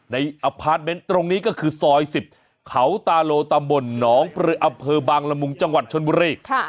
อพาร์ทเมนต์ตรงนี้ก็คือซอย๑๐เขาตาโลตำบลหนองปลืออำเภอบางละมุงจังหวัดชนบุรี